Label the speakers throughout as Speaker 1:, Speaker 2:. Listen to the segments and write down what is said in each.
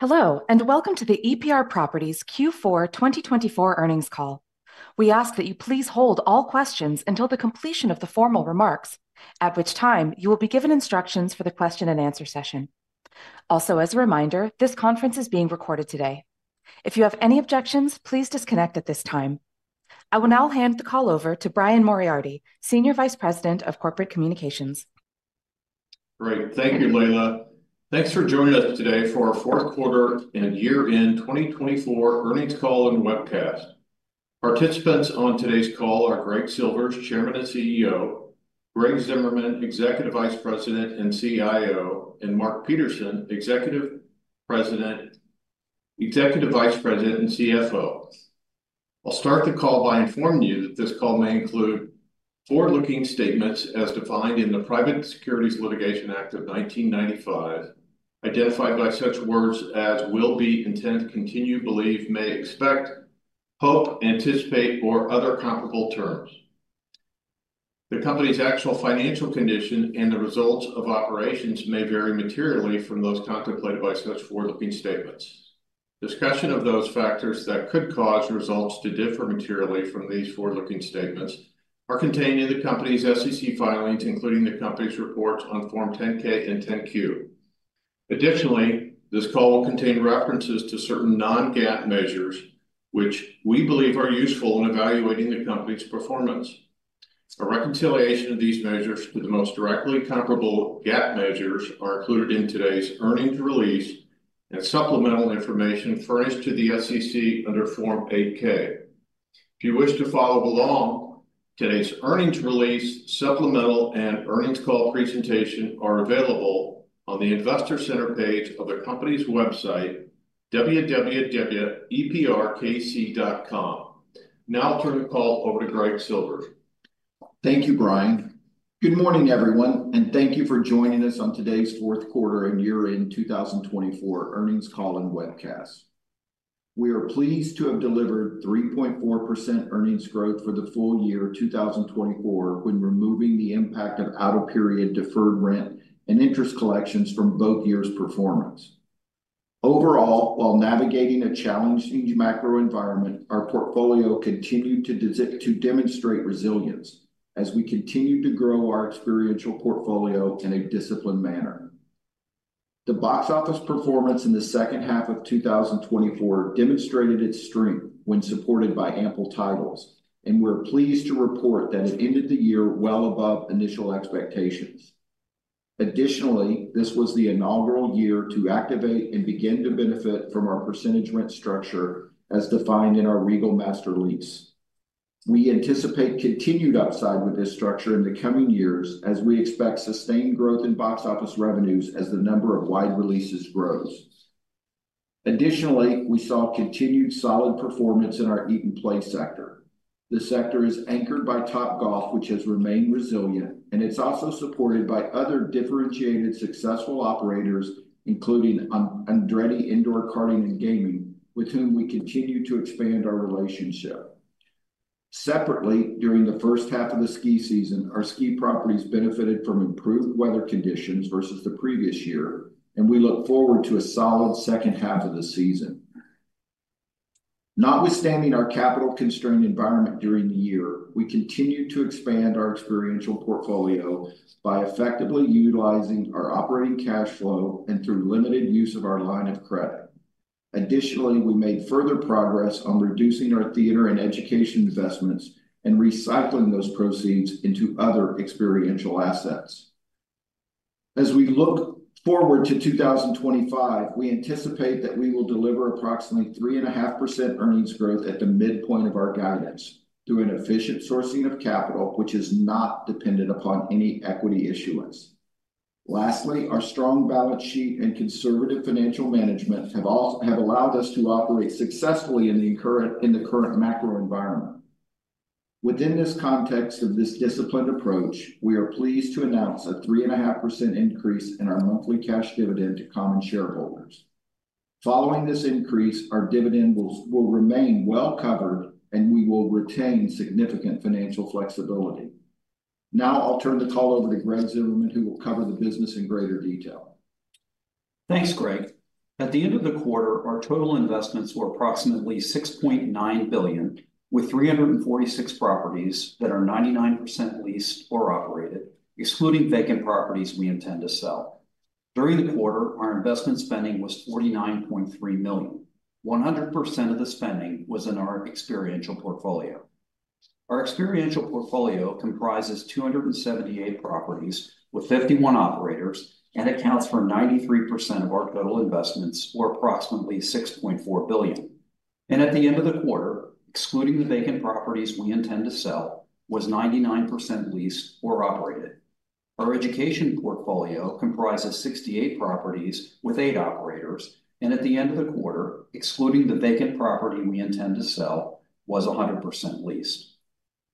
Speaker 1: Hello, and welcome to the EPR Properties Q4 2024 earnings call. We ask that you please hold all questions until the completion of the formal remarks, at which time you will be given instructions for the question-and-answer session. Also, as a reminder, this conference is being recorded today. If you have any objections, please disconnect at this time. I will now hand the call over to Brian Moriarty, Senior Vice President of Corporate Communications.
Speaker 2: Great, thank you, Leila. Thanks for joining us today for our fourth quarter and year-end 2024 earnings call and webcast. Participants on today's call are Greg Silvers, Chairman and CEO, Greg Zimmerman, Executive Vice President and CIO, and Mark Peterson, Executive Vice President and CFO. I'll start the call by informing you that this call may include forward-looking statements as defined in the Private Securities Litigation Act of 1995, identified by such words as "will be, intend, continue, believe, may, expect, hope, anticipate," or other comparable terms. The company's actual financial condition and the results of operations may vary materially from those contemplated by such forward-looking statements. Discussion of those factors that could cause results to differ materially from these forward-looking statements are contained in the company's SEC filings, including the company's reports on Form 10-K and 10-Q. Additionally, this call will contain references to certain non-GAAP measures, which we believe are useful in evaluating the company's performance. A reconciliation of these measures to the most directly comparable GAAP measures is included in today's earnings release and supplemental information furnished to the SEC under Form 8-K. If you wish to follow along, today's earnings release, supplemental, and earnings call presentation are available on the Investor Center page of the company's website, www.eprkc.com. Now I'll turn the call over to Greg Silvers.
Speaker 3: Thank you, Brian. Good morning, everyone, and thank you for joining us on today's fourth quarter and year-end 2024 earnings call and webcast. We are pleased to have delivered 3.4% earnings growth for the full year 2024 when removing the impact of out-of-period deferred rent and interest collections from both years' performance. Overall, while navigating a challenging macro environment, our portfolio continued to demonstrate resilience as we continued to grow our experiential portfolio in a disciplined manner. The box office performance in the second half of 2024 demonstrated its strength when supported by ample titles, and we're pleased to report that it ended the year well above initial expectations. Additionally, this was the inaugural year to activate and begin to benefit from our percentage rent structure as defined in our Regal Master Lease. We anticipate continued upside with this structure in the coming years as we expect sustained growth in box office revenues as the number of wide releases grows. Additionally, we saw continued solid performance in our Eat and Play sector. The sector is anchored by Topgolf, which has remained resilient, and it's also supported by other differentiated successful operators, including Andretti Indoor Karting & Games, with whom we continue to expand our relationship. Separately, during the first half of the ski season, our ski properties benefited from improved weather conditions versus the previous year, and we look forward to a solid second half of the season. Notwithstanding our capital-constrained environment during the year, we continued to expand our experiential portfolio by effectively utilizing our operating cash flow and through limited use of our line of credit. Additionally, we made further progress on reducing our theater and education investments and recycling those proceeds into other experiential assets. As we look forward to 2025, we anticipate that we will deliver approximately 3.5% earnings growth at the midpoint of our guidance through an efficient sourcing of capital, which is not dependent upon any equity issuance. Lastly, our strong balance sheet and conservative financial management have allowed us to operate successfully in the current macro environment. In the context of this disciplined approach, we are pleased to announce a 3.5% increase in our monthly cash dividend to common shareholders. Following this increase, our dividend will remain well covered, and we will retain significant financial flexibility. Now I'll turn the call over to Greg Zimmerman, who will cover the business in greater detail.
Speaker 4: Thanks, Greg. At the end of the quarter, our total investments were approximately $6.9 billion, with 346 properties that are 99% leased or operated, excluding vacant properties we intend to sell. During the quarter, our investment spending was $49.3 million. 100% of the spending was in our experiential portfolio. Our experiential portfolio comprises 278 properties with 51 operators and accounts for 93% of our total investments, or approximately $6.4 billion. And at the end of the quarter, excluding the vacant properties we intend to sell, was 99% leased or operated. Our education portfolio comprises 68 properties with eight operators, and at the end of the quarter, excluding the vacant property we intend to sell, was 100% leased.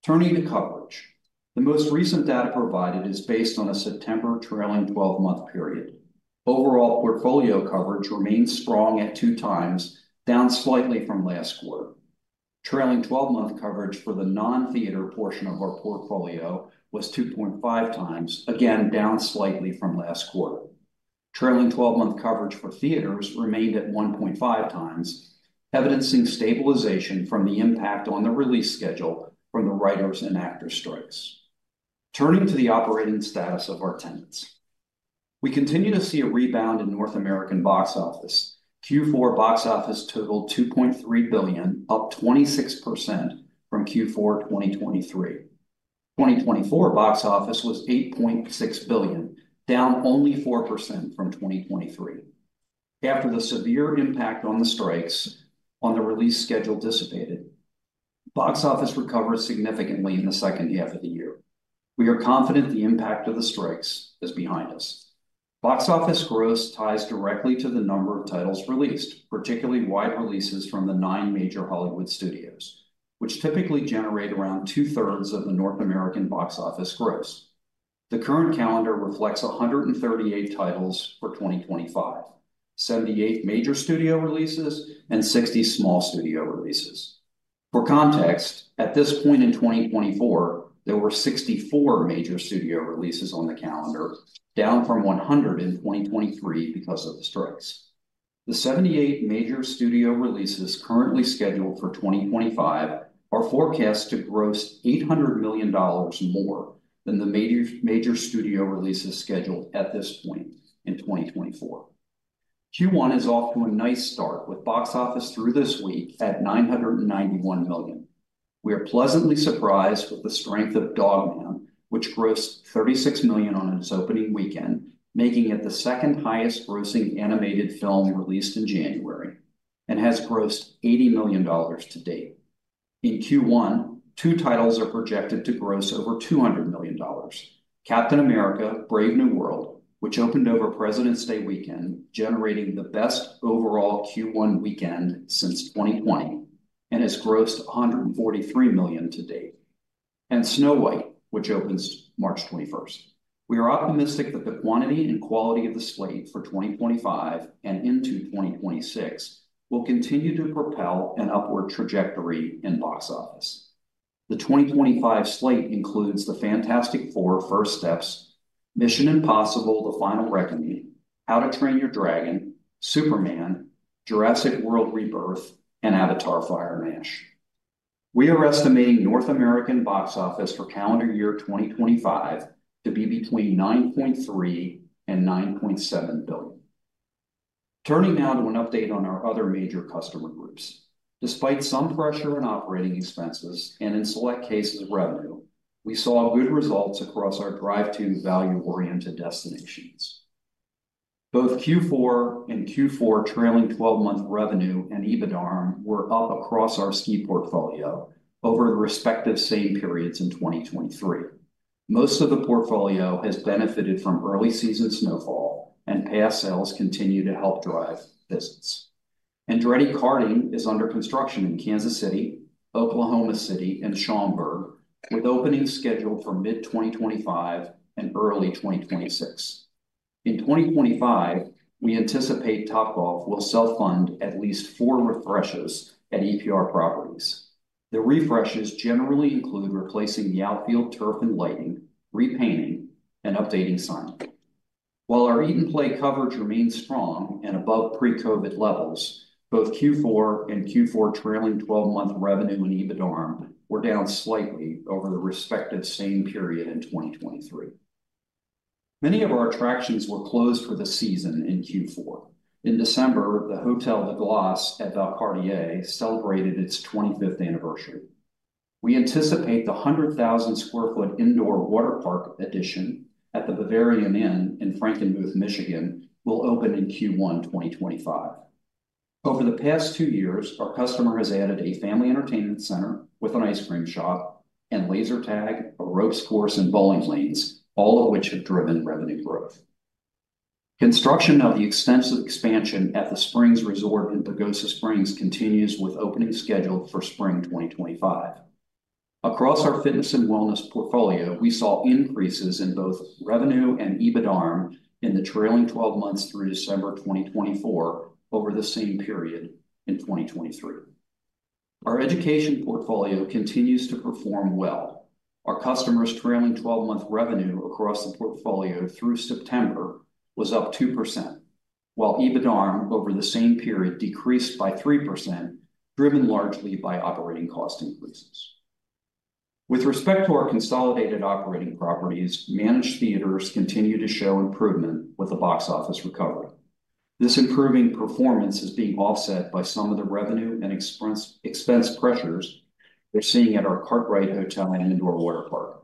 Speaker 4: Turning to coverage, the most recent data provided is based on a September trailing 12-month period. Overall portfolio coverage remains strong at two times, down slightly from last quarter. Trailing 12-month coverage for the non-theater portion of our portfolio was 2.5 times, again down slightly from last quarter. Trailing 12-month coverage for theaters remained at 1.5 times, evidencing stabilization from the impact on the release schedule from the writers' and actors' strikes. Turning to the operating status of our tenants, we continue to see a rebound in North American box office. Q4 box office totaled $2.3 billion, up 26% from Q4 2023. 2024 box office was $8.6 billion, down only 4% from 2023. After the severe impact on the strikes, the release schedule dissipated. Box office recovered significantly in the second half of the year. We are confident the impact of the strikes is behind us. Box office gross ties directly to the number of titles released, particularly wide releases from the nine major Hollywood studios, which typically generate around two-thirds of the North American box office gross. The current calendar reflects 138 titles for 2025, 78 major studio releases, and 60 small studio releases. For context, at this point in 2024, there were 64 major studio releases on the calendar, down from 100 in 2023 because of the strikes. The 78 major studio releases currently scheduled for 2025 are forecast to gross $800 million more than the major studio releases scheduled at this point in 2024. Q1 is off to a nice start with box office through this week at $991 million. We are pleasantly surprised with the strength of Dog Man, which grossed $36 million on its opening weekend, making it the second highest-grossing animated film released in January, and has grossed $80 million to date. In Q1, two titles are projected to gross over $200 million: Captain America: Brave New World, which opened over President's Day weekend, generating the best overall Q1 weekend since 2020, and has grossed $143 million to date. And Snow White, which opens March 21st. We are optimistic that the quantity and quality of the slate for 2025 and into 2026 will continue to propel an upward trajectory in box office. The 2025 slate includes The Fantastic Four: First Steps, Mission: Impossible - The Final Reckoning, How to Train Your Dragon, Superman, Jurassic World: Rebirth, and Avatar: Fire and Ash. We are estimating North American box office for calendar year 2025 to be between $9.3 billion and $9.7 billion. Turning now to an update on our other major customer groups. Despite some pressure on operating expenses and, in select cases, revenue, we saw good results across our drive-through value-oriented destinations. Both Q4 and Q4 trailing 12-month revenue and EBITDA were up across our ski portfolio over the respective same periods in 2023. Most of the portfolio has benefited from early season snowfall, and past sales continue to help drive business. Andretti Karting is under construction in Kansas City, Oklahoma City, and Schaumburg, with openings scheduled for mid-2025 and early 2026. In 2025, we anticipate Topgolf will self-fund at least four refreshes at EPR Properties. The refreshes generally include replacing the outfield turf and lighting, repainting, and updating signage. While our eat and play coverage remains strong and above pre-COVID levels, both Q4 and Q4 trailing 12-month revenue and EBITDA were down slightly over the respective same period in 2023. Many of our attractions were closed for the season in Q4. In December, the Hôtel de Glace at Valcartier celebrated its 25th anniversary. We anticipate the 100,000 sq ft indoor waterpark addition at the Bavarian Inn in Frankenmuth, Michigan, will open in Q1 2025. Over the past two years, our customer has added a family entertainment center with an ice cream shop and laser tag, a ropes course, and bowling lanes, all of which have driven revenue growth. Construction of the extensive expansion at the Springs Resort in Pagosa Springs continues with openings scheduled for spring 2025. Across our fitness and wellness portfolio, we saw increases in both revenue and EBITDA in the trailing 12 months through December 2024 over the same period in 2023. Our education portfolio continues to perform well. Our customer's trailing 12-month revenue across the portfolio through September was up 2%, while EBITDA over the same period decreased by 3%, driven largely by operating cost increases. With respect to our consolidated operating properties, managed theaters continue to show improvement with the box office recovery. This improving performance is being offset by some of the revenue and expense pressures we're seeing at our Kartrite Hotel and indoor waterpark.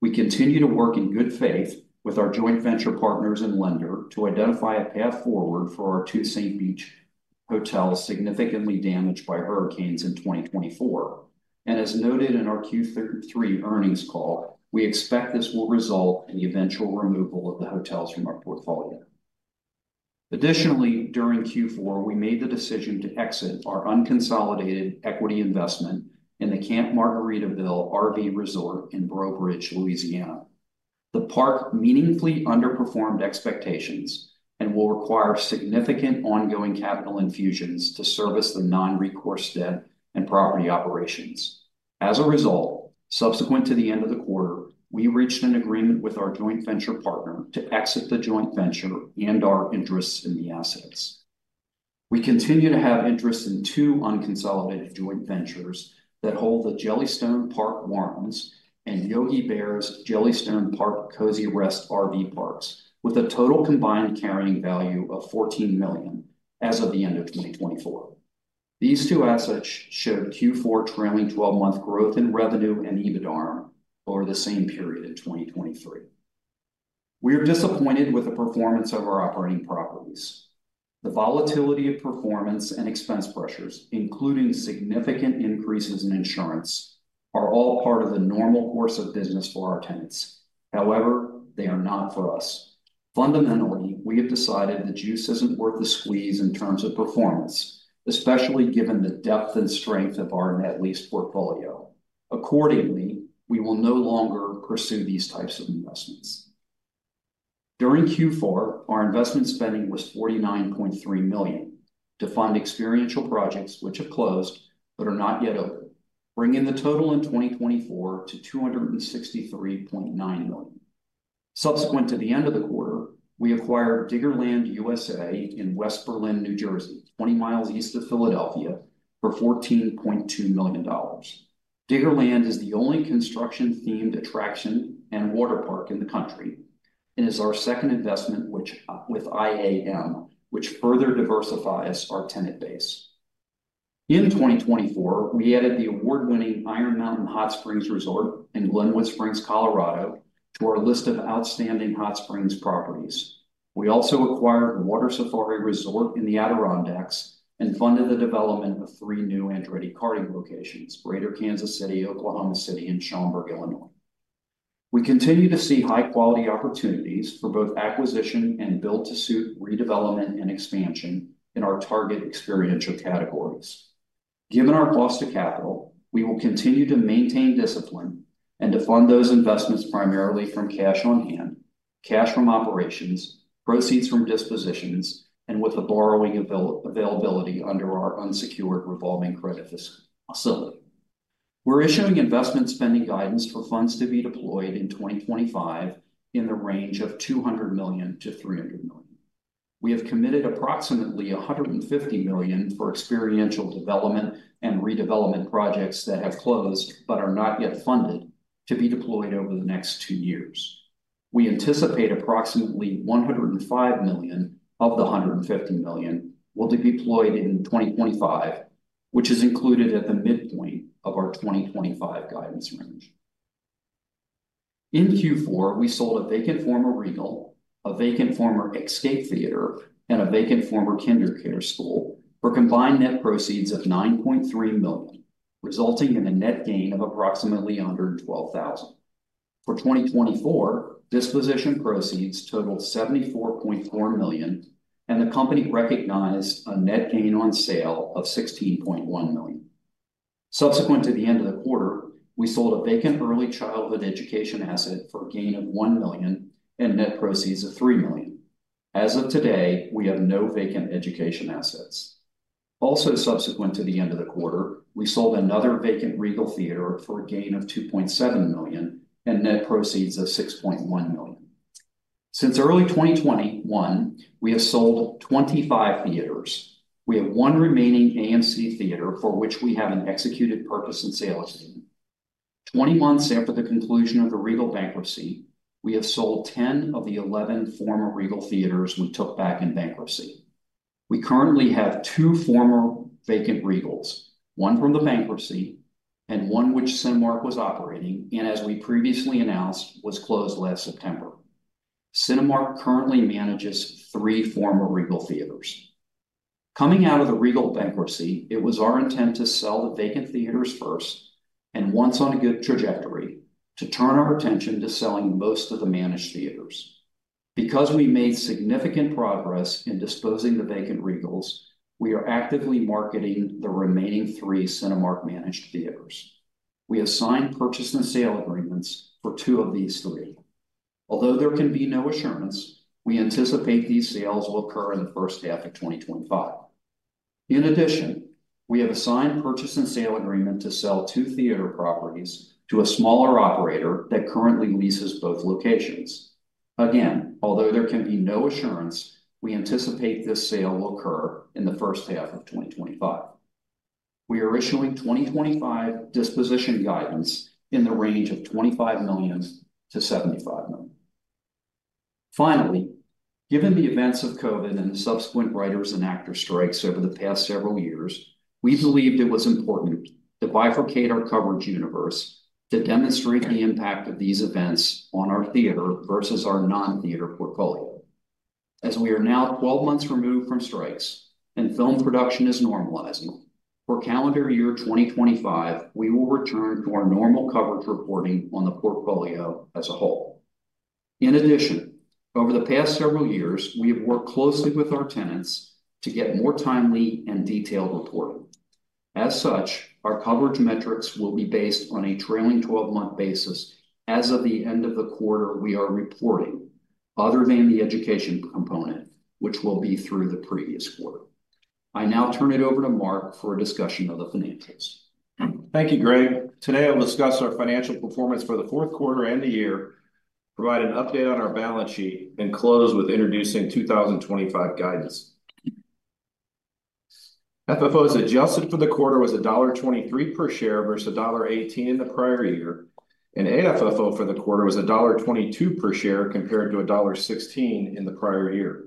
Speaker 4: We continue to work in good faith with our joint venture partners and lender to identify a path forward for our two St. Pete Beach hotels significantly damaged by hurricanes in 2024. And as noted in our Q3 earnings call, we expect this will result in the eventual removal of the hotels from our portfolio. Additionally, during Q4, we made the decision to exit our unconsolidated equity investment in the Camp Margaritaville RV Resort in Breaux Bridge, Louisiana. The park meaningfully underperformed expectations and will require significant ongoing capital infusions to service the non-recourse debt and property operations. As a result, subsequent to the end of the quarter, we reached an agreement with our joint venture partner to exit the joint venture and our interests in the assets. We continue to have interest in two unconsolidated joint ventures that hold the Jellystone Park Warrens and Yogi Bear's Jellystone Park Kozy Rest RV Parks, with a total combined carrying value of $14 million as of the end of 2024. These two assets showed Q4 trailing 12-month growth in revenue and EBITDA over the same period in 2023. We are disappointed with the performance of our operating properties. The volatility of performance and expense pressures, including significant increases in insurance, are all part of the normal course of business for our tenants. However, they are not for us. Fundamentally, we have decided the juice isn't worth the squeeze in terms of performance, especially given the depth and strength of our net lease portfolio. Accordingly, we will no longer pursue these types of investments. During Q4, our investment spending was $49.3 million to fund experiential projects which have closed but are not yet open, bringing the total in 2024 to $263.9 million. Subsequent to the end of the quarter, we acquired Diggerland USA in West Berlin, New Jersey, 20 miles east of Philadelphia, for $14.2 million. Diggerland is the only construction-themed attraction and waterpark in the country and is our second investment with IAM, which further diversifies our tenant base. In 2024, we added the award-winning Iron Mountain Hot Springs Resort in Glenwood Springs, Colorado, to our list of outstanding hot springs properties. We also acquired Water Safari Resort in the Adirondacks and funded the development of three new Andretti Karting locations: Greater Kansas City, Oklahoma City, and Schaumburg, Illinois. We continue to see high-quality opportunities for both acquisition and build-to-suit redevelopment and expansion in our target experiential categories. Given our cost of capital, we will continue to maintain discipline and to fund those investments primarily from cash on hand, cash from operations, proceeds from dispositions, and with the borrowing availability under our unsecured revolving credit facility. We're issuing investment spending guidance for funds to be deployed in 2025 in the range of $200 million to $300 million. We have committed approximately $150 million for experiential development and redevelopment projects that have closed but are not yet funded to be deployed over the next two years. We anticipate approximately $105 million of the $150 million will be deployed in 2025, which is included at the midpoint of our 2025 guidance range. In Q4, we sold a vacant former Regal, a vacant former Esquire theater, and a vacant former KinderCare school for combined net proceeds of $9.3 million, resulting in a net gain of approximately $112,000. For 2024, disposition proceeds totaled $74.4 million, and the company recognized a net gain on sale of $16.1 million. Subsequent to the end of the quarter, we sold a vacant early childhood education asset for a gain of $1 million and net proceeds of $3 million. As of today, we have no vacant education assets. Also, subsequent to the end of the quarter, we sold another vacant Regal theater for a gain of $2.7 million and net proceeds of $6.1 million. Since early 2021, we have sold 25 theaters. We have one remaining AMC theater for which we have an executed purchase and sale agreement. Twenty months after the conclusion of the Regal bankruptcy, we have sold 10 of the 11 former Regal theaters we took back in bankruptcy. We currently have two former vacant Regals, one from the bankruptcy and one which Cinemark was operating and, as we previously announced, was closed last September. Cinemark currently manages three former Regal theaters. Coming out of the Regal bankruptcy, it was our intent to sell the vacant theaters first and, once on a good trajectory, to turn our attention to selling most of the managed theaters. Because we made significant progress in disposing of the vacant Regals, we are actively marketing the remaining three Cinemark-managed theaters. We have signed purchase and sale agreements for two of these three. Although there can be no assurance, we anticipate these sales will occur in the first half of 2025. In addition, we have a signed purchase and sale agreement to sell two theater properties to a smaller operator that currently leases both locations. Again, although there can be no assurance, we anticipate this sale will occur in the first half of 2025. We are issuing 2025 disposition guidance in the range of $25 million-$75 million. Finally, given the events of COVID and the subsequent writers' and actors' strikes over the past several years, we believed it was important to bifurcate our coverage universe to demonstrate the impact of these events on our theater versus our non-theater portfolio. As we are now 12 months removed from strikes and film production is normalizing, for calendar year 2025, we will return to our normal coverage reporting on the portfolio as a whole. In addition, over the past several years, we have worked closely with our tenants to get more timely and detailed reporting. As such, our coverage metrics will be based on a trailing 12-month basis as of the end of the quarter we are reporting, other than the education component, which will be through the previous quarter. I now turn it over to Mark for a discussion of the financials. Thank you, Greg. Today, I'll discuss our financial performance for the fourth quarter and the year, provide an update on our balance sheet, and close with introducing 2025 guidance. FFO as adjusted for the quarter was $1.23 per share versus $1.18 in the prior year, and AFFO for the quarter was $1.22 per share compared to $1.16 in the prior year.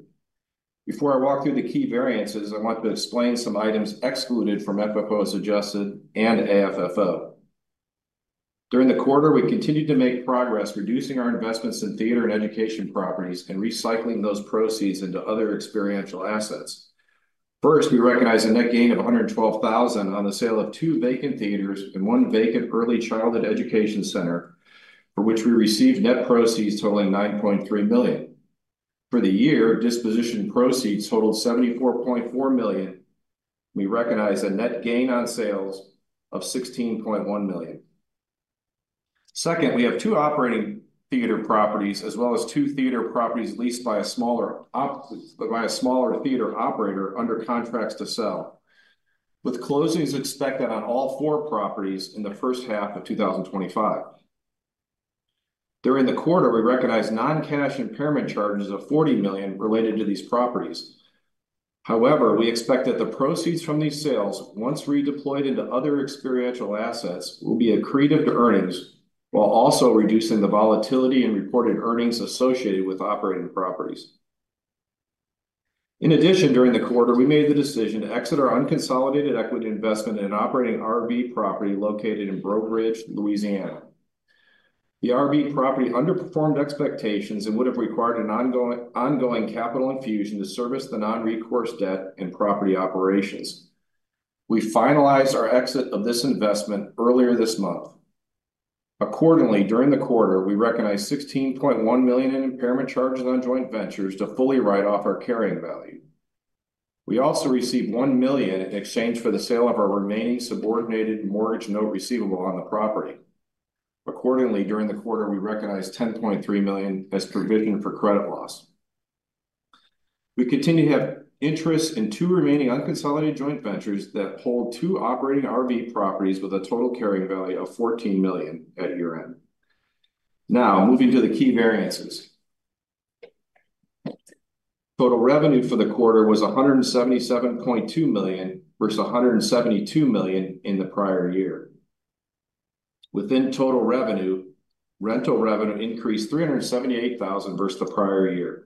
Speaker 4: Before I walk through the key variances, I want to explain some items excluded from FFO as adjusted and AFFO. During the quarter, we continued to make progress, reducing our investments in theater and education properties and recycling those proceeds into other experiential assets. First, we recognize a net gain of $112,000 on the sale of two vacant theaters and one vacant early childhood education center, for which we received net proceeds totaling $9.3 million. For the year, disposition proceeds totaled $74.4 million. We recognize a net gain on sales of $16.1 million. Second, we have two operating theater properties as well as two theater properties leased by a smaller theater operator under contracts to sell, with closings expected on all four properties in the first half of 2025. During the quarter, we recognize non-cash impairment charges of $40 million related to these properties. However, we expect that the proceeds from these sales, once redeployed into other experiential assets, will be accretive to earnings while also reducing the volatility in reported earnings associated with operating properties. In addition, during the quarter, we made the decision to exit our unconsolidated equity investment in an operating RV property located in Breaux Bridge, Louisiana. The RV property underperformed expectations and would have required an ongoing capital infusion to service the non-recourse debt and property operations. We finalized our exit of this investment earlier this month. Accordingly, during the quarter, we recognize $16.1 million in impairment charges on joint ventures to fully write off our carrying value. We also received $1 million in exchange for the sale of our remaining subordinated mortgage note receivable on the property. Accordingly, during the quarter, we recognize $10.3 million as provision for credit loss. We continue to have interest in two remaining unconsolidated joint ventures that hold two operating RV properties with a total carrying value of $14 million at year-end. Now, moving to the key variances. Total revenue for the quarter was $177.2 million versus $172 million in the prior year. Within total revenue, rental revenue increased $378,000 versus the prior year.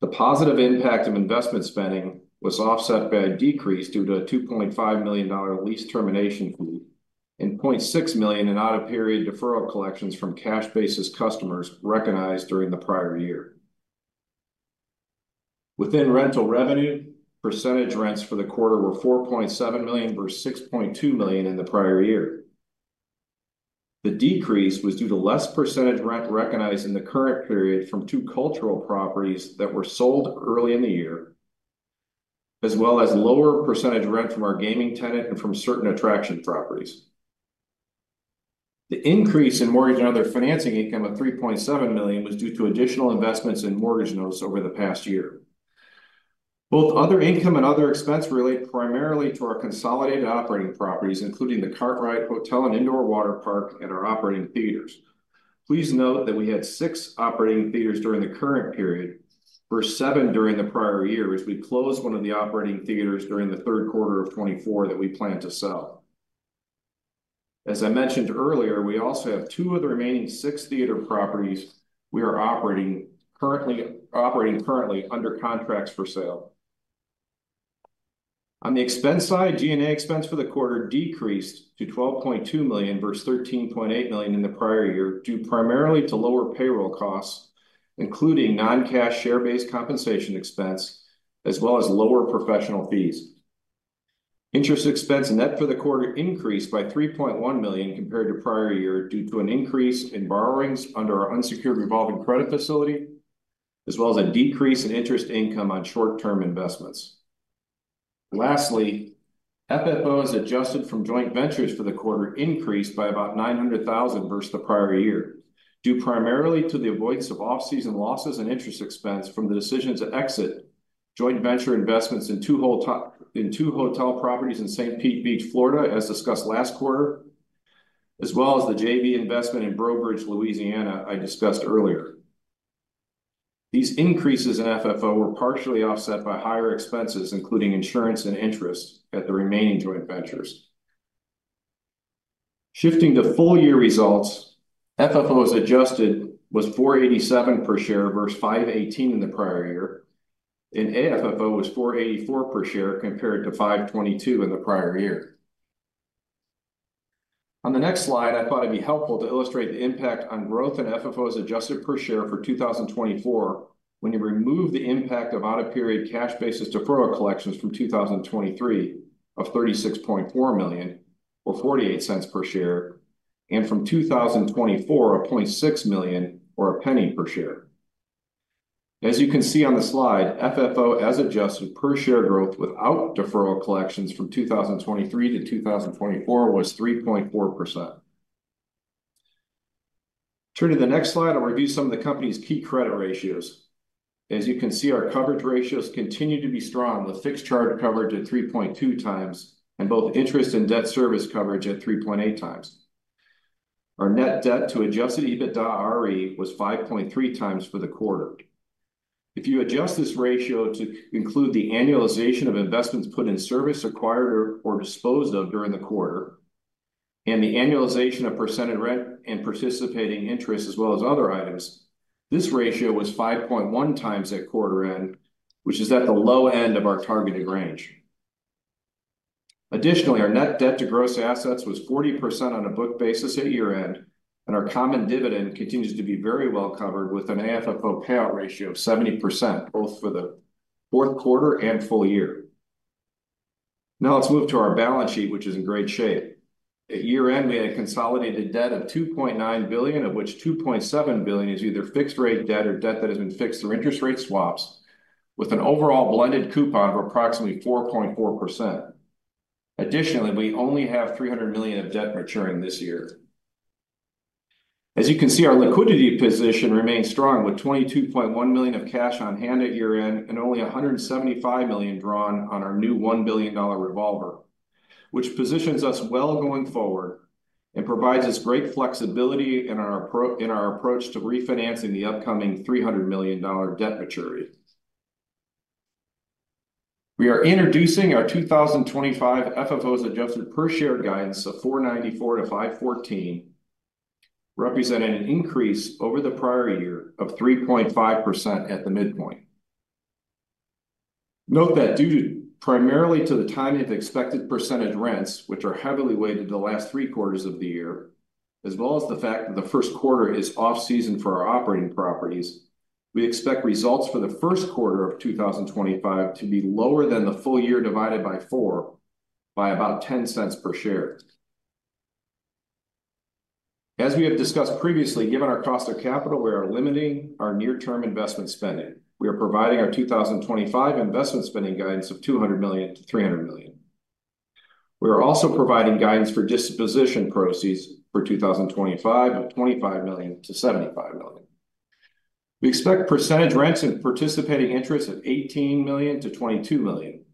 Speaker 4: The positive impact of investment spending was offset by a decrease due to a $2.5 million lease termination fee and $0.6 million in out-of-period deferral collections from cash-basis customers recognized during the prior year. Within rental revenue, percentage rents for the quarter were $4.7 million versus $6.2 million in the prior year. The decrease was due to less percentage rent recognized in the current period from two cultural properties that were sold early in the year, as well as lower percentage rent from our gaming tenant and from certain attraction properties. The increase in mortgage and other financing income of $3.7 million was due to additional investments in mortgage notes over the past year. Both other income and other expense relate primarily to our consolidated operating properties, including the Kartrite Hotel and Indoor Water Park and our operating theaters. Please note that we had six operating theaters during the current period versus seven during the prior year as we closed one of the operating theaters during the third quarter of 2024 that we plan to sell. As I mentioned earlier, we also have two of the remaining six theater properties we are currently operating under contracts for sale. On the expense side, G&A expense for the quarter decreased to $12.2 million versus $13.8 million in the prior year due primarily to lower payroll costs, including non-cash share-based compensation expense, as well as lower professional fees. Interest expense net for the quarter increased by $3.1 million compared to prior year due to an increase in borrowings under our unsecured revolving credit facility, as well as a decrease in interest income on short-term investments. Lastly, FFO as adjusted from joint ventures for the quarter increased by about $900,000 versus the prior year due primarily to the avoidance of off-season losses and interest expense from the decision to exit joint venture investments in two hotel properties in St. Pete Beach, Florida, as discussed last quarter, as well as the JV investment in Breaux Bridge, Louisiana, I discussed earlier. These increases in FFO were partially offset by higher expenses, including insurance and interest at the remaining joint ventures. Shifting to full-year results, FFO as adjusted was $487 per share versus $518 in the prior year, and AFFO was $484 per share compared to $522 in the prior year. On the next slide, I thought it'd be helpful to illustrate the impact on growth in FFO as adjusted per share for 2024 when you remove the impact of out-of-period cash-basis deferral collections from 2023 of $36.4 million, or $0.48 per share, and from 2024 of $0.6 million, or $0.01 per share. As you can see on the slide, FFO as adjusted per share growth without deferral collections from 2023 to 2024 was 3.4%. Turning to the next slide, I'll review some of the company's key credit ratios. As you can see, our coverage ratios continue to be strong, with fixed charge coverage at 3.2 times and both interest and debt service coverage at 3.8 times. Our net debt to Adjusted EBITDAre was 5.3 times for the quarter. If you adjust this ratio to include the annualization of investments put in service, acquired, or disposed of during the quarter, and the annualization of percentage rent and participating interest as well as other items, this ratio was 5.1 times at quarter end, which is at the low end of our targeted range. Additionally, our net debt to gross assets was 40% on a book basis at year-end, and our common dividend continues to be very well covered with an AFFO payout ratio of 70% both for the fourth quarter and full year. Now let's move to our balance sheet, which is in great shape. At year-end, we had a consolidated debt of $2.9 billion, of which $2.7 billion is either fixed-rate debt or debt that has been fixed through interest rate swaps, with an overall blended coupon of approximately 4.4%. Additionally, we only have $300 million of debt maturing this year. As you can see, our liquidity position remains strong with $22.1 million of cash on hand at year-end and only $175 million drawn on our new $1 billion revolver, which positions us well going forward and provides us great flexibility in our approach to refinancing the upcoming $300 million debt maturity. We are introducing our 2025 FFO as adjusted per share guidance of $4.94-$5.14, representing an increase over the prior year of 3.5% at the midpoint. Note that due primarily to the timing of expected percentage rents, which are heavily weighted the last three quarters of the year, as well as the fact that the first quarter is off-season for our operating properties, we expect results for the first quarter of 2025 to be lower than the full year divided by four by about $0.10 per share. As we have discussed previously, given our cost of capital, we are limiting our near-term investment spending. We are providing our 2025 investment spending guidance of $200 million-$300 million. We are also providing guidance for disposition proceeds for 2025 of $25 million-$75 million. We expect percentage rents and participating interest of $18 million-$22 million.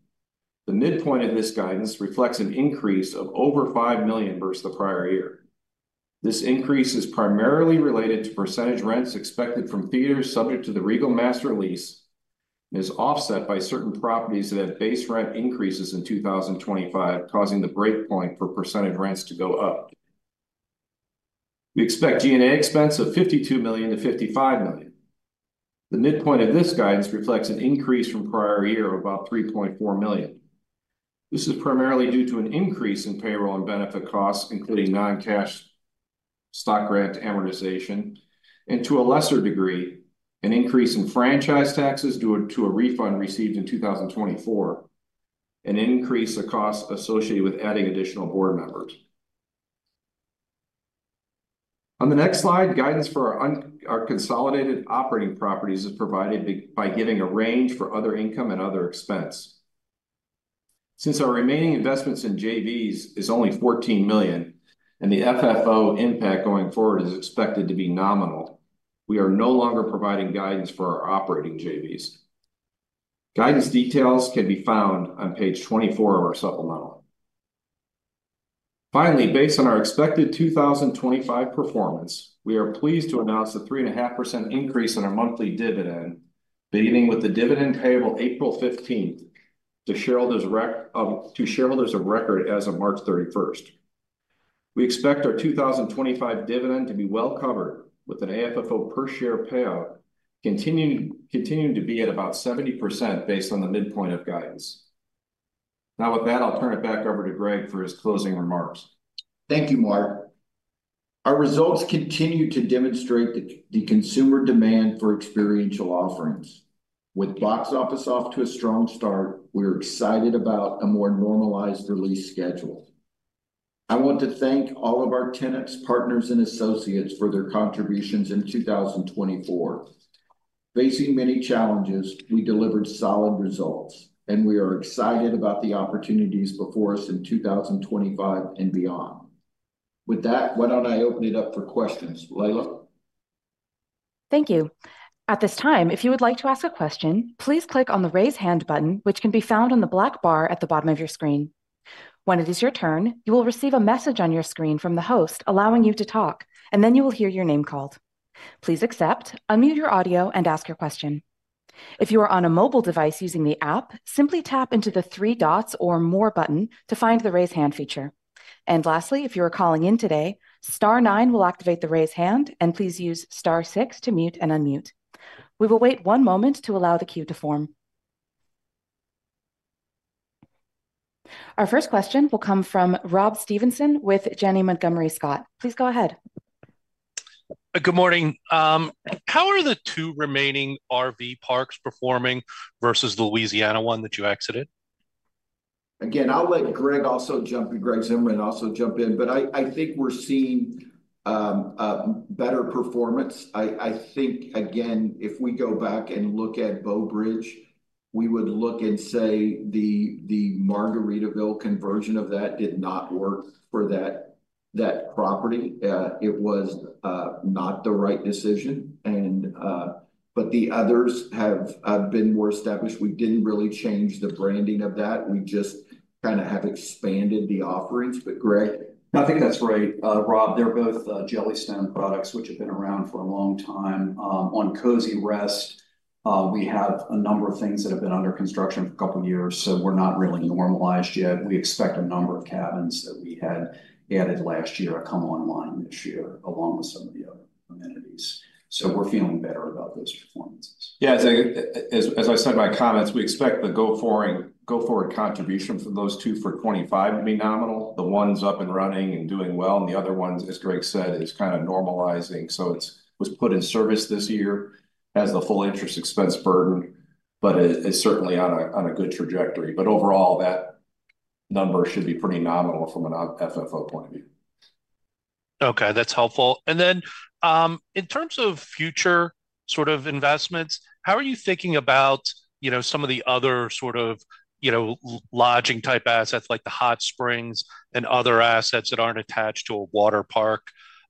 Speaker 4: The midpoint of this guidance reflects an increase of over $5 million versus the prior year. This increase is primarily related to percentage rents expected from theaters subject to the Regal Master Lease and is offset by certain properties that have base rent increases in 2025, causing the breakpoint for percentage rents to go up. We expect G&A expense of $52 million-$55 million. The midpoint of this guidance reflects an increase from prior year of about $3.4 million. This is primarily due to an increase in payroll and benefit costs, including non-cash stock grant amortization, and to a lesser degree, an increase in franchise taxes due to a refund received in 2024 and an increase in costs associated with adding additional board members. On the next slide, guidance for our consolidated operating properties is provided by giving a range for other income and other expense. Since our remaining investments in JVs is only $14 million and the FFO impact going forward is expected to be nominal, we are no longer providing guidance for our operating JVs. Guidance details can be found on page 24 of our supplemental. Finally, based on our expected 2025 performance, we are pleased to announce a 3.5% increase in our monthly dividend, beginning with the dividend payable April 15th to shareholders of record as of March 31st. We expect our 2025 dividend to be well covered with an AFFO per share payout continuing to be at about 70% based on the midpoint of guidance. Now with that, I'll turn it back over to Greg for his closing remarks. Thank you, Mark. Our results continue to demonstrate the consumer demand for experiential offerings. With box office off to a strong start, we are excited about a more normalized release schedule. I want to thank all of our tenants, partners, and associates for their contributions in 2024. Facing many challenges, we delivered solid results, and we are excited about the opportunities before us in 2025 and beyond. With that, why don't I open it up for questions? Leila? Thank you.
Speaker 1: At this time, if you would like to ask a question, please click on the raise hand button, which can be found on the black bar at the bottom of your screen. When it is your turn, you will receive a message on your screen from the host allowing you to talk, and then you will hear your name called. Please accept, unmute your audio, and ask your question. If you are on a mobile device using the app, simply tap into the three dots or more button to find the raise hand feature. And lastly, if you are calling in today, Star 9 will activate the raise hand, and please use Star 6 to mute and unmute. We will wait one moment to allow the queue to form. Our first question will come from Rob Stevenson with Janney Montgomery Scott. Please go ahead.
Speaker 5: Good morning. How are the two remaining RV parks performing versus the Louisiana one that you exited?
Speaker 2: Again, I'll let Greg also jump in. Greg Zimmerman also jump in. But I think we're seeing better performance. I think, again, if we go back and look at Breaux Bridge, we would look and say the Margaritaville conversion of that did not work for that property. It was not the right decision. But the others have been more established. We didn't really change the branding of that. We just kind of have expanded the offerings. But Greg,
Speaker 4: I think that's great. Rob, they're both Jellystone products, which have been around for a long time. On Kozy Rest, we have a number of things that have been under construction for a couple of years, so we're not really normalized yet. We expect a number of cabins that we had added last year to come online this year along with some of the other amenities. So we're feeling better.
Speaker 2: Yeah. As I said in my comments, we expect the go-forward contribution for those two for 2025 to be nominal. The one is up and running and doing well, and the other ones, as Greg said, is kind of normalizing. So it was put in service this year as the full interest expense burden, but it's certainly on a good trajectory. But overall, that number should be pretty nominal from an FFO point of view.
Speaker 5: Okay. That's helpful. And then in terms of future sort of investments, how are you thinking about some of the other sort of lodging-type assets like the hot springs and other assets that aren't attached to a water park?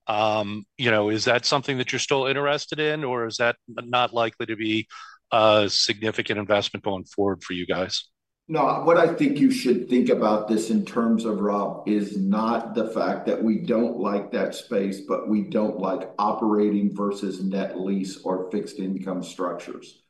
Speaker 5: Is that something that you're still interested in, or is that not likely to be a significant investment going forward for you guys?
Speaker 4: No, what I think you should think about this in terms of, Rob, is not the fact that we don't like that space, but we don't like operating versus net lease or fixed-income structures.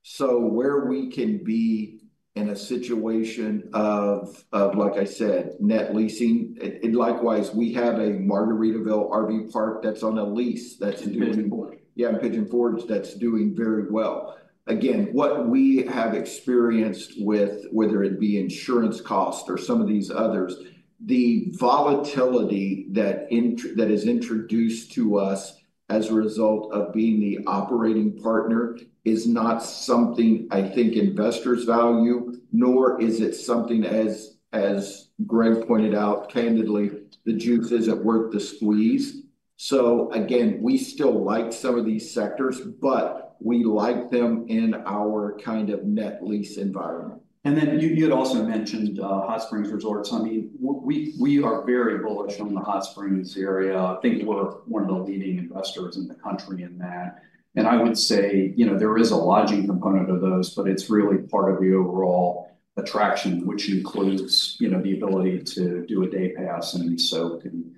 Speaker 4: So where we can be in a situation of, like I said, net leasing. And likewise, we have a Margaritaville RV park that's on a lease that's doing—
Speaker 5: Pigeon Forge?
Speaker 2: Yeah, Pigeon Forge, that's doing very well. Again, what we have experienced with, whether it be insurance costs or some of these others, the volatility that is introduced to us as a result of being the operating partner is not something I think investors value, nor is it something, as Greg pointed out, candidly, the juice isn't worth the squeeze. So again, we still like some of these sectors, but we like them in our kind of net lease environment. And then you had also mentioned hot springs resorts. I mean, we are very bullish on the hot springs area. I think we're one of the leading investors in the country in that. And I would say there is a lodging component of those, but it's really part of the overall attraction, which includes the ability to do a day pass and soak. And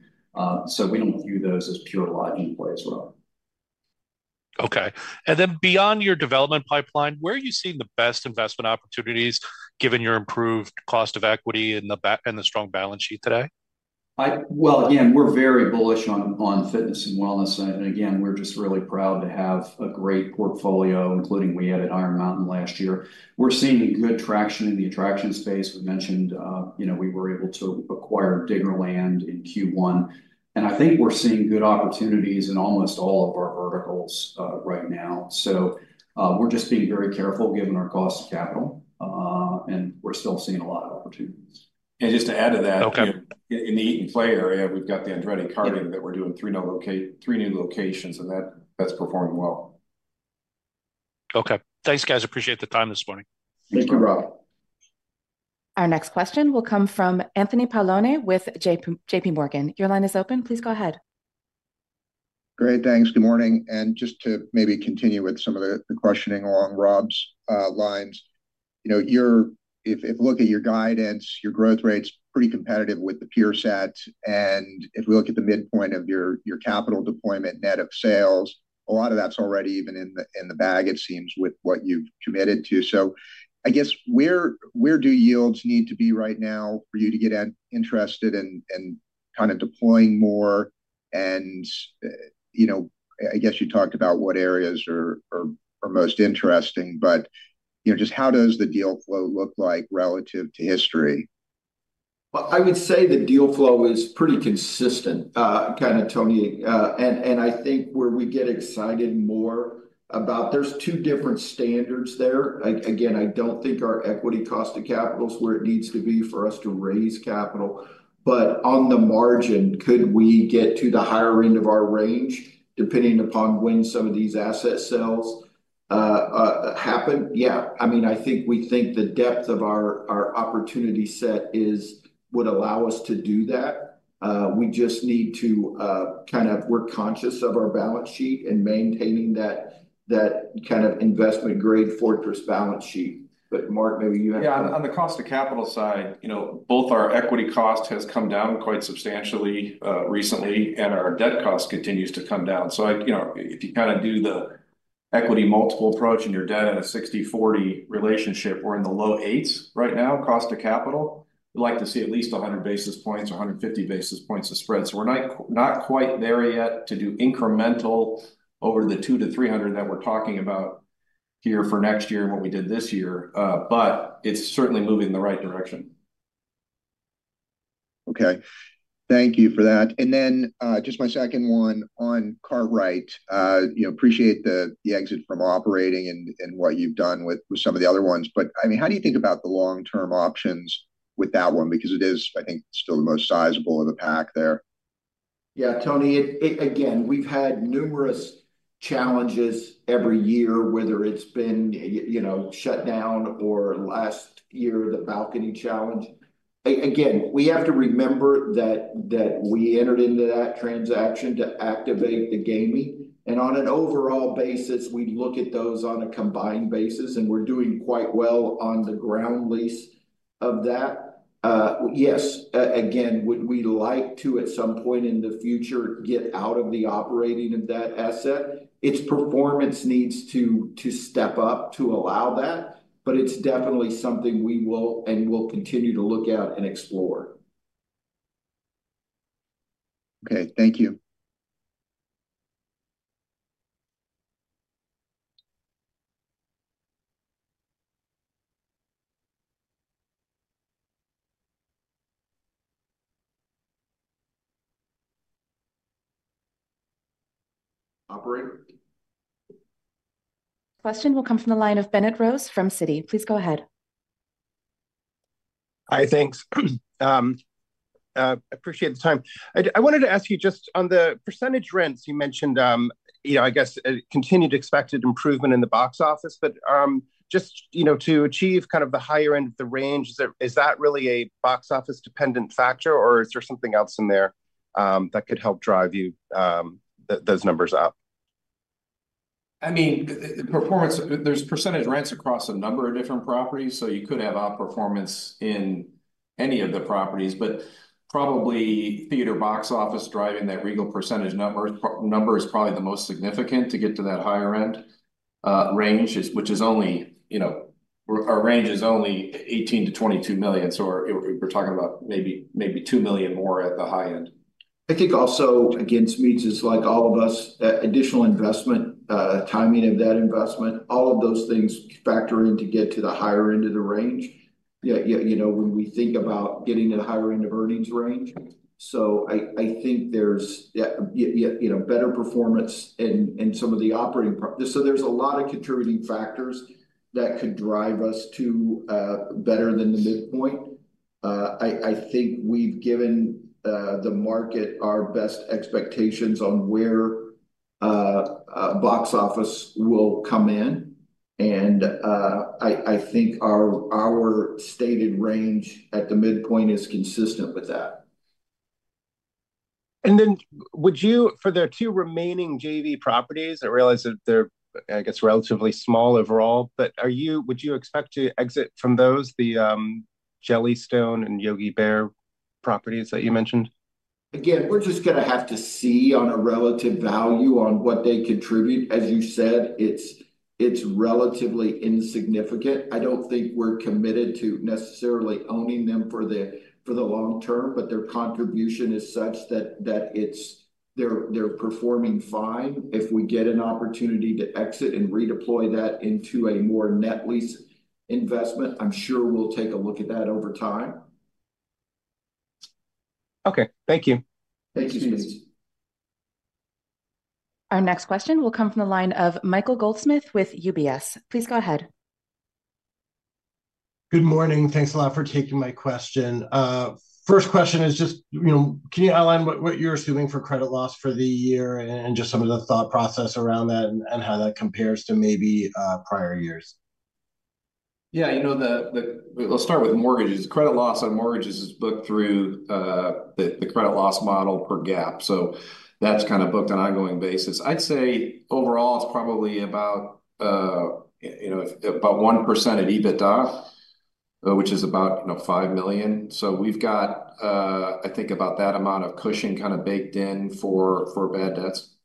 Speaker 2: so we don't view those as pure lodging plays, Rob.
Speaker 5: Okay. And then beyond your development pipeline, where are you seeing the best investment opportunities given your improved cost of equity and the strong balance sheet today? Well, again, we're very bullish on fitness and wellness. And again, we're just really proud to have a great portfolio, including we added Iron Mountain last year. We're seeing good traction in the attraction space. We mentioned we were able to acquire Diggerland in Q1. And I think we're seeing good opportunities in almost all of our verticals right now. So we're just being very careful given our cost of capital, and we're still seeing a lot of opportunities.
Speaker 4: And just to add to that, in the eat and play area, we've got the Andretti Karting that we're doing three new locations, and that's performing well.
Speaker 5: Okay. Thanks, guys. Appreciate the time this morning.
Speaker 4: Thank you, Rob.
Speaker 5: Our next question will come from Anthony Paolone with JPMorgan. Your line is open. Please go ahead.
Speaker 6: Great. Thanks. Good morning. And just to maybe continue with some of the questioning along Rob's lines, if we look at your guidance, your growth rate's pretty competitive with the pure-play. And if we look at the midpoint of your capital deployment net of sales, a lot of that's already even in the bag, it seems, with what you've committed to. So I guess where do yields need to be right now for you to get interested in kind of deploying more? And I guess you talked about what areas are most interesting, but just how does the deal flow look like relative to history?
Speaker 2: Well, I would say the deal flow is pretty consistent, kind of, Tony. And I think where we get excited more about there's two different standards there. Again, I don't think our equity cost of capital is where it needs to be for us to raise capital. But on the margin, could we get to the higher end of our range, depending upon when some of these asset sales happen? Yeah. I mean, I think we think the depth of our opportunity set would allow us to do that. We just need to kind of, we're conscious of our balance sheet and maintaining that kind of investment-grade fortress balance sheet. But Mark, maybe you have.
Speaker 4: Yeah. On the cost of capital side, both our equity cost has come down quite substantially recently, and our debt cost continues to come down. So if you kind of do the equity multiple approach and you're down at a 60/40 relationship, we're in the low 8s right now, cost of capital. We'd like to see at least 100 basis points or 150 basis points of spread. So we're not quite there yet to do incremental over the 2 to 300 that we're talking about here for next year and what we did this year. But it's certainly moving in the right direction.
Speaker 6: Okay. Thank you for that. And then just my second one on Kartrite. Appreciate the exit from operating and what you've done with some of the other ones. But I mean, how do you think about the long-term options with that one? Because it is, I think, still the most sizable of the pack there.
Speaker 4: Yeah, Tony. Again, we've had numerous challenges every year, whether it's been shutdown or last year, the balcony challenge. Again, we have to remember that we entered into that transaction to activate the gaming. And on an overall basis, we look at those on a combined basis, and we're doing quite well on the ground lease of that. Yes, again, we'd like to, at some point in the future, get out of the operating of that asset. Its performance needs to step up to allow that, but it's definitely something we will and will continue to look at and explore.
Speaker 6: Okay. Thank you.
Speaker 2: Operator?
Speaker 1: Question will come from the line of Bennett Rose from Citi. Please go ahead.
Speaker 7: Hi. Thanks. Appreciate the time. I wanted to ask you just on the percentage rents you mentioned, I guess, continued expected improvement in the box office. But just to achieve kind of the higher end of the range, is that really a box office-dependent factor, or is there something else in there that could help drive those numbers up?
Speaker 2: I mean, there's percentage rents across a number of different properties, so you could have outperformance in any of the properties. But probably theater box office driving that Regal percentage number is probably the most significant to get to that higher-end range, which is only our range is only $18 million-$22 million. So we're talking about maybe $2 million more at the high end.
Speaker 4: I think also, again, to me, just like all of us, additional investment, timing of that investment, all of those things factor in to get to the higher end of the range when we think about getting a higher end of earnings range. So I think there's better performance in some of the operating, so there's a lot of contributing factors that could drive us to better than the midpoint. I think we've given the market our best expectations on where box office will come in. And I think our stated range at the midpoint is consistent with that.
Speaker 7: And then for the two remaining JV properties, I realize that they're, I guess, relatively small overall, but would you expect to exit from those, the Jellystone and Yogi Bear properties that you mentioned?
Speaker 4: Again, we're just going to have to see on a relative value on what they contribute. As you said, it's relatively insignificant. I don't think we're committed to necessarily owning them for the long term, but their contribution is such that they're performing fine. If we get an opportunity to exit and redeploy that into a more net lease investment, I'm sure we'll take a look at that over time.
Speaker 7: Okay. Thank you.
Speaker 4: Thank you, Stevenson.
Speaker 1: Our next question will come from the line of Michael Goldsmith with UBS. Please go ahead.
Speaker 8: Good morning. Thanks a lot for taking my question. First question is just, can you outline what you're assuming for credit loss for the year and just some of the thought process around that and how that compares to maybe prior years?
Speaker 2: Yeah. Let's start with mortgages. Credit loss on mortgages is booked through the credit loss model per GAAP. So that's kind of booked on an ongoing basis. I'd say overall, it's probably about 1% at EBITDA, which is about $5 million. So we've got, I think, about that amount of cushion kind of baked in for bad debts.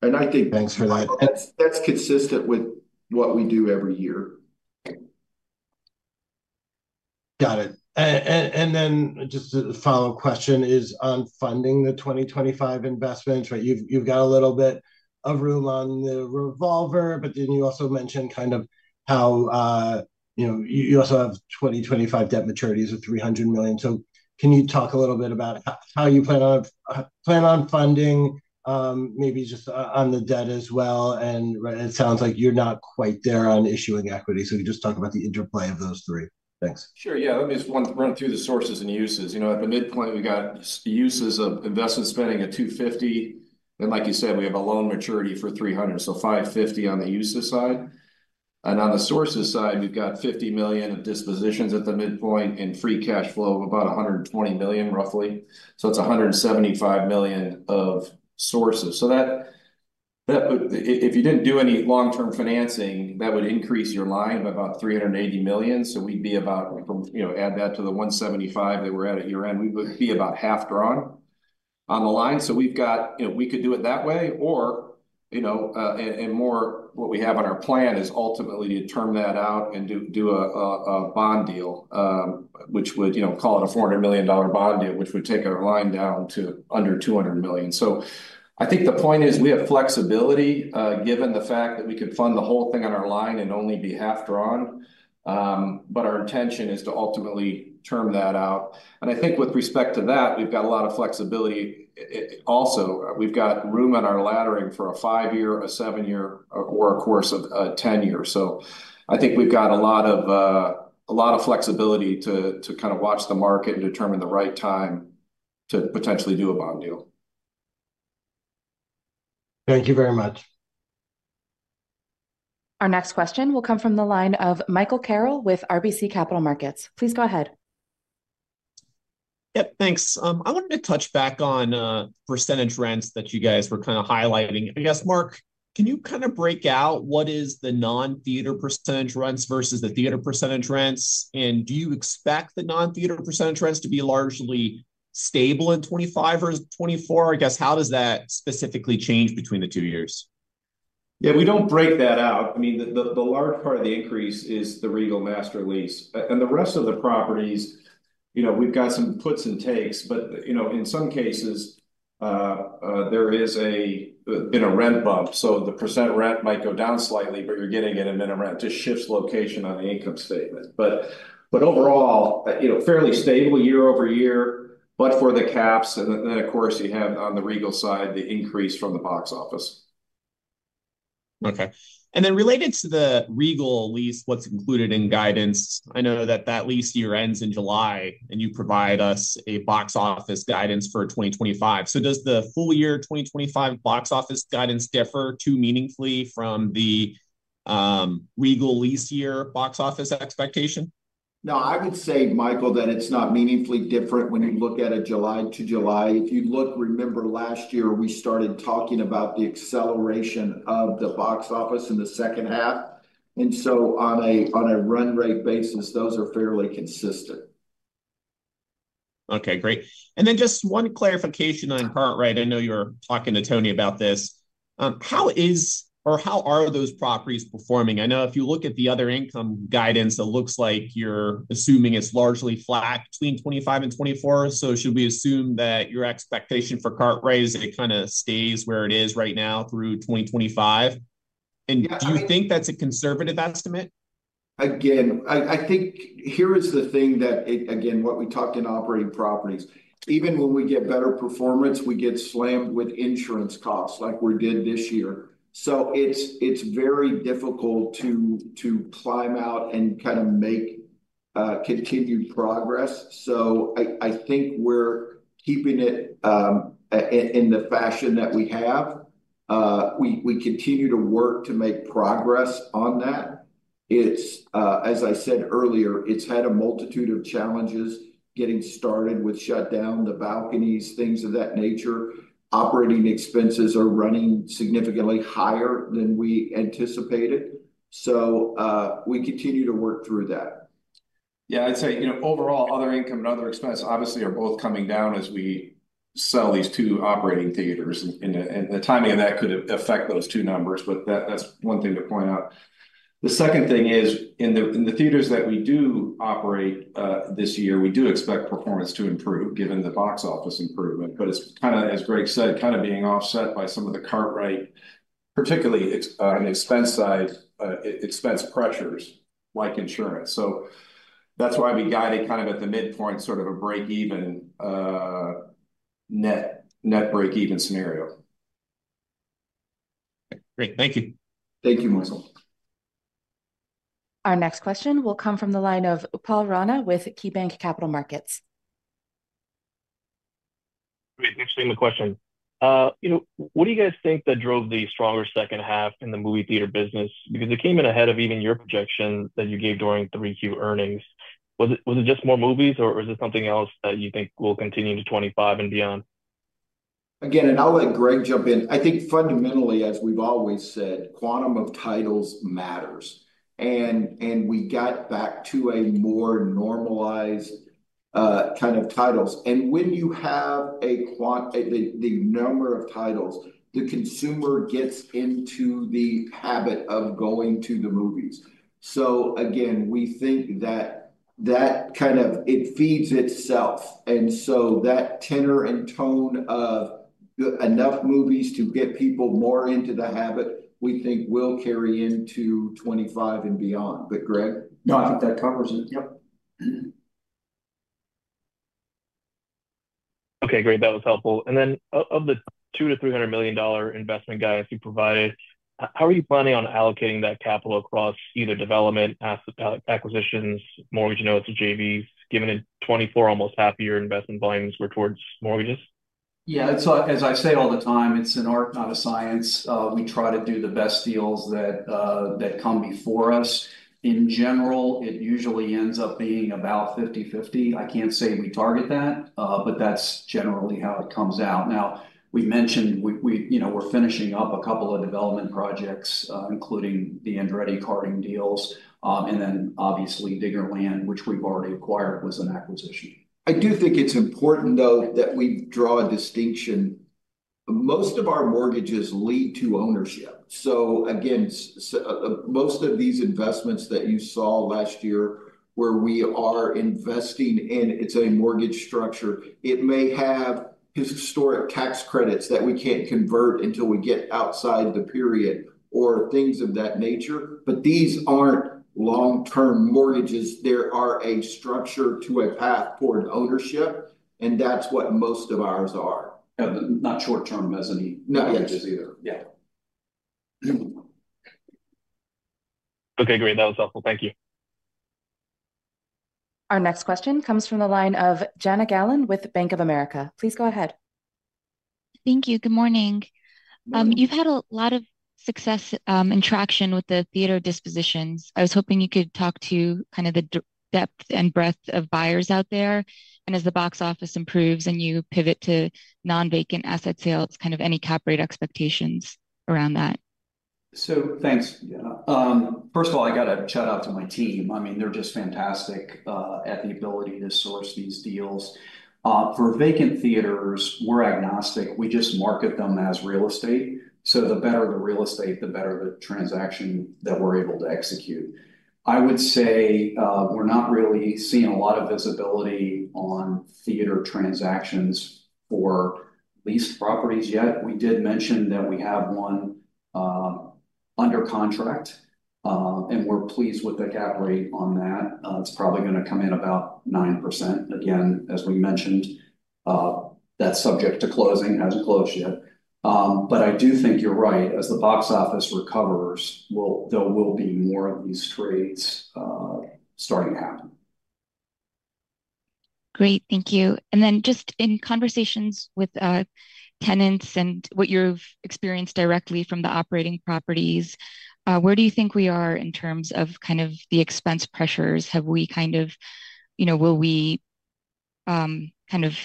Speaker 2: And I think. Thanks for that. That's consistent with what we do every year.
Speaker 8: Got it. And then just a follow-up question is on funding the 2025 investments, right? You've got a little bit of room on the revolver, but then you also mentioned kind of how you also have 2025 debt maturities of $300 million. So can you talk a little bit about how you plan on funding, maybe just on the debt as well? And it sounds like you're not quite there on issuing equity. So you just talk about the interplay of those three. Thanks.
Speaker 2: Sure. Yeah. Let me just run through the sources and uses. At the midpoint, we've got uses of investment spending at $250 million. And like you said, we have a loan maturity for $300, so $550 on the uses side. And on the sources side, we've got $50 million of dispositions at the midpoint and free cash flow of about $120 million, roughly. So it's $175 million of sources. So if you didn't do any long-term financing, that would increase your line by about $380 million. So we'd be about, add that to the $175 that we're at at year-end, we would be about half drawn on the line. So we've got, we could do it that way. And more what we have on our plan is ultimately to term that out and do a bond deal, which would call it a $400 million bond deal, which would take our line down to under $200 million. So I think the point is we have flexibility given the fact that we could fund the whole thing on our line and only be half drawn. But our intention is to ultimately term that out. And I think with respect to that, we've got a lot of flexibility. Also, we've got room on our laddering for a five-year, a seven-year, or, of course, a 10-year. So I think we've got a lot of flexibility to kind of watch the market and determine the right time to potentially do a bond deal.
Speaker 4: Thank you very much.
Speaker 1: Our next question will come from the line of Michael Carroll with RBC Capital Markets. Please go ahead.
Speaker 9: Yep. Thanks. I wanted to touch back on percentage rents that you guys were kind of highlighting. I guess, Mark, can you kind of break out what is the non-theater percentage rents versus the theater percentage rents? And do you expect the non-theater percentage rents to be largely stable in 2025 or 2024? I guess, how does that specifically change between the two years?
Speaker 10: Yeah. We don't break that out. I mean, the large part of the increase is the Regal Master Lease. And the rest of the properties, we've got some puts and takes. But in some cases, there has been a rent bump. So the percent rent might go down slightly, but you're getting it in a minimum rent. It just shifts location on the income statement. But overall, fairly stable year over year, but for the caps. And then, of course, you have on the Regal side, the increase from the box office.
Speaker 9: Okay. And then related to the Regal lease, what's included in guidance? I know that that lease year ends in July, and you provide us a box office guidance for 2025. So does the full year 2025 box office guidance differ too meaningfully from the Regal lease year box office expectation?
Speaker 2: No, I would say, Michael, that it's not meaningfully different when you look at a July to July. If you look, remember last year, we started talking about the acceleration of the box office in the second half. And so on a run rate basis, those are fairly consistent.
Speaker 9: Okay. Great. And then just one clarification on Kozy Rest. I know you were talking to Tony about this. How are those properties performing? I know if you look at the other income guidance, it looks like you're assuming it's largely flat between 2025 and 2024. So should we assume that your expectation for Kartrite is it kind of stays where it is right now through 2025? And do you think that's a conservative estimate?
Speaker 4: Again, I think here is the thing that, again, what we talked in operating properties, even when we get better performance, we get slammed with insurance costs like we did this year. So it's very difficult to climb out and kind of make continued progress. So I think we're keeping it in the fashion that we have. We continue to work to make progress on that. As I said earlier, it's had a multitude of challenges getting started with shutdown, the balconies, things of that nature. Operating expenses are running significantly higher than we anticipated. So we continue to work through that.
Speaker 10: Yeah. I'd say overall, other income and other expense, obviously, are both coming down as we sell these two operating theaters. And the timing of that could affect those two numbers, but that's one thing to point out. The second thing is, in the theaters that we do operate this year, we do expect performance to improve given the box office improvement. But it's kind of, as Greg said, kind of being offset by some of the Kartrite, particularly on the expense side, expense pressures like insurance. So that's why we guided kind of at the midpoint, sort of a break-even net break-even scenario.
Speaker 9: Great. Thank you.
Speaker 10: Thank you, Michael.
Speaker 1: Our next question will come from the line of Paul Rana with KeyBanc Capital Markets.
Speaker 11: Great. Thanks for the question. What do you guys think that drove the stronger second half in the movie theater business? Because it came in ahead of even your projection that you gave during 3Q earnings. Was it just more movies, or is it something else that you think will continue into 2025 and beyond?
Speaker 2: Again, and I'll let Greg jump in. I think fundamentally, as we've always said, quantity of titles matters. And we got back to a more normalized kind of titles. And when you have the number of titles, the consumer gets into the habit of going to the movies. So again, we think that that kind of feeds itself. And so that tenor and tone of enough movies to get people more into the habit, we think will carry into 2025 and beyond. But Greg?
Speaker 4: No, I think that covers it. Yep.
Speaker 11: Okay. Great. That was helpful. And then of the $200 million-$300 million investment guidance you provided, how are you planning on allocating that capital across either development, asset acquisitions, mortgage notes, or JVs, given in 2024 almost half of your investment volumes were towards mortgages?
Speaker 10: Yeah. So as I say all the time, it's an art, not a science. We try to do the best deals that come before us. In general, it usually ends up being about 50/50. I can't say we target that, but that's generally how it comes out. Now, we mentioned we're finishing up a couple of development projects, including the Andretti Karting deals, and then obviously Diggerland, which we've already acquired was an acquisition.
Speaker 4: I do think it's important, though, that we draw a distinction. Most of our mortgages lead to ownership. So again, most of these investments that you saw last year where we are investing in, it's a mortgage structure. It may have historic tax credits that we can't convert until we get outside the period or things of that nature. But these aren't long-term mortgages. They are a structure to a path toward ownership. And that's what most of ours are. Not short-term as any mortgages either. Yeah.
Speaker 11: Okay. Great. That was helpful. Thank you.
Speaker 1: Our next question comes from the line of Jana Galan with Bank of America. Please go ahead.
Speaker 12: Thank you. Good morning. You've had a lot of success and traction with the theater dispositions. I was hoping you could talk to kind of the depth and breadth of buyers out there. And as the box office improves and you pivot to non-vacant asset sales, kind of any cap rate expectations around that?
Speaker 10: So thanks. First of all, I got to shout out to my team. I mean, they're just fantastic at the ability to source these deals. For vacant theaters, we're agnostic. We just market them as real estate. So the better the real estate, the better the transaction that we're able to execute. I would say we're not really seeing a lot of visibility on theater transactions for leased properties yet. We did mention that we have one under contract, and we're pleased with the cap rate on that. It's probably going to come in about 9%. Again, as we mentioned, that's subject to closing. It hasn't closed yet. But I do think you're right. As the box office recovers, there will be more of these trades starting to happen.
Speaker 12: Great. Thank you. And then just in conversations with tenants and what you've experienced directly from the operating properties, where do you think we are in terms of kind of the expense pressures? Will we kind of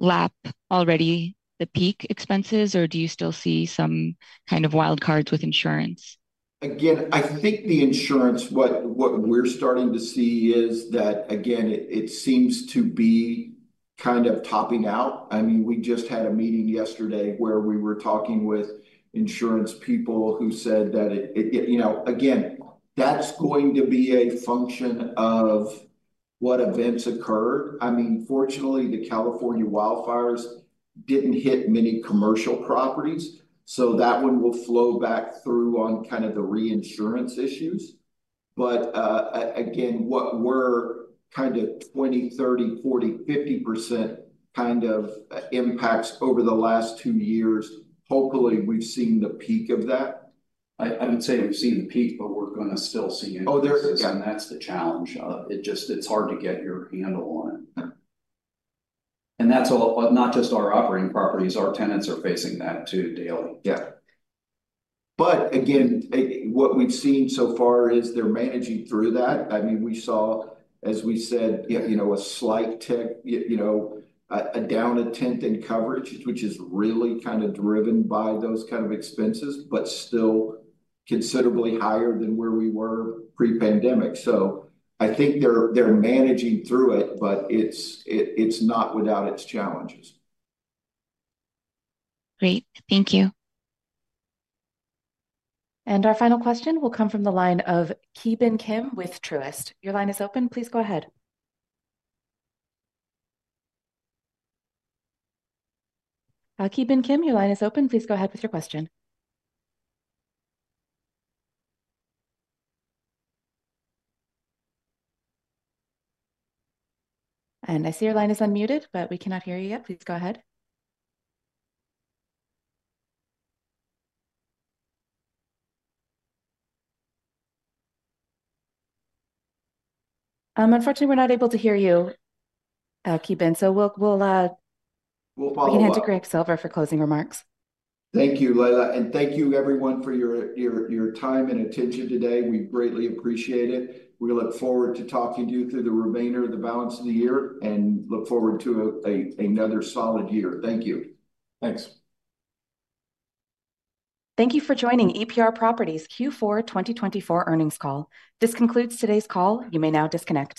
Speaker 12: lap already the peak expenses, or do you still see some kind of wild cards with insurance?
Speaker 10: Again, I think the insurance, what we're starting to see is that, again, it seems to be kind of topping out. I mean, we just had a meeting yesterday where we were talking with insurance people who said that, again, that's going to be a function of what events occurred. I mean, fortunately, the California wildfires didn't hit many commercial properties. So that one will flow back through on kind of the reinsurance issues. But again, what were kind of 20%, 30%, 40%, 50% kind of impacts over the last two years. Hopefully, we've seen the peak of that. I would say we've seen the peak, but we're going to still see it. Oh, there it is. Again, that's the challenge. It's hard to get your handle on it. And that's not just our operating properties. Our tenants are facing that too daily. Yeah. But again, what we've seen so far is they're managing through that. I mean, we saw, as we said, a slight tick, a down attempt in coverage, which is really kind of driven by those kind of expenses, but still considerably higher than where we were pre-pandemic. So I think they're managing through it, but it's not without its challenges.
Speaker 12: Great. Thank you.
Speaker 1: And our final question will come from the line of Ki Bin Kim with Truist Securities. Your line is open. Please go ahead. Ki Bin Kim, your line is open. Please go ahead with your question. And I see your line is unmuted, but we cannot hear you yet. Please go ahead. Unfortunately, we're not able to hear you, Ki Bin Kim. So we'll hand to Greg Silvers for closing remarks.
Speaker 3: Thank you, Leila. And thank you, everyone, for your time and attention today. We greatly appreciate it. We look forward to talking to you through the remainder of the balance of the year and look forward to another solid year. Thank you.
Speaker 10: Thanks.
Speaker 1: Thank you for joining EPR Properties' Q4 2024 earnings call. This concludes today's call. You may now disconnect.